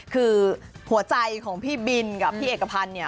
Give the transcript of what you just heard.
คือหัวใจของพี่บินกับพี่เอกพันธ์เนี่ย